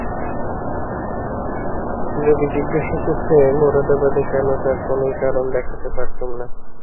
যদি জিজ্ঞাসা করতে মোরাদাবাদে কেন তার কোনোই কারণ দেখাতে পারতুম না।